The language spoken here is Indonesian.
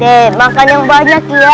oke makan yang banyak ya